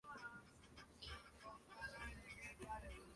Habita en Borneo y Sarawak.